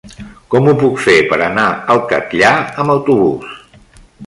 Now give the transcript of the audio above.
Com ho puc fer per anar al Catllar amb autobús?